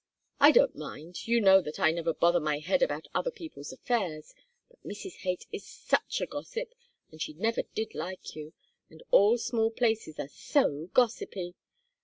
I don't mind; you know that I never bother my head about other people's affairs, but Mrs. Haight is such a gossip, and she never did like you, and all small places are so gossipy.